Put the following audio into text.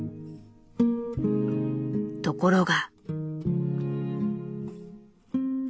ところが。